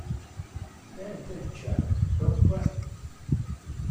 There, there, child, don’t cry.